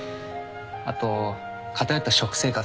あと偏った食生活